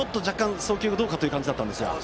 送球がどうかというところがあったんですが。